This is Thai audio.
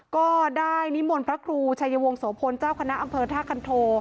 ก็ได้นิมนต์พระครูชายวงโสพลเจ้าคณะอำเภอท่าคันโท